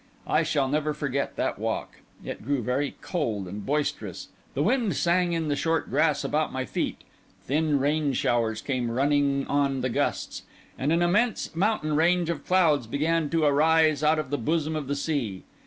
I shall never forget that walk. It grew very cold and boisterous; the wind sang in the short grass about my feet; thin rain showers came running on the gusts; and an immense mountain range of clouds began to arise out of the bosom of the sea.